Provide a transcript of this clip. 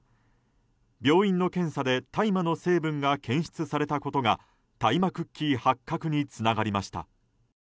病院の検査で大麻の成分が検出されたことが大麻クッキー発覚につながりました。